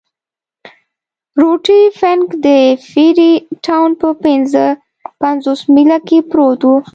روټي فنک د فري ټاون په پنځه پنځوس میله کې پروت وو.